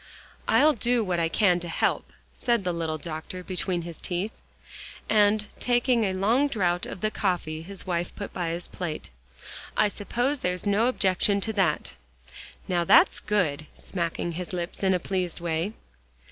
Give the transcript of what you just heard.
"I'll do what I can to help," said the little doctor between his teeth, and taking a long draught of the coffee his wife put by his plate. "I suppose there's no objection to that. Now, that's good," smacking his lips in a pleased way.